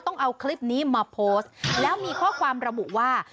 ต้องเอาคลิปนี้มาโพสต์แล้วมีข้อความระบุว่า